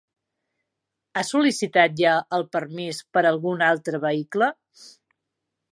Ha sol·licitat ja el permís per algun altre vehicle?